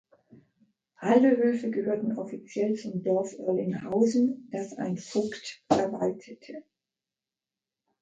Alle Höfe gehörten offiziell zum Dorf Oerlinghausen, das ein Vogt verwaltete.